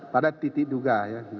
pada titik duga